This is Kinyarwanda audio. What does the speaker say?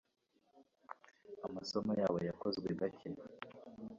Amasomo yabo yakozwe gake